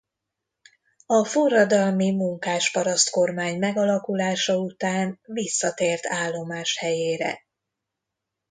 A Forradalmi Munkás-paraszt Kormány megalakulása után visszatért állomáshelyére.